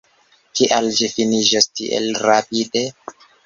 Kial ĝi finiĝos tiel rapide?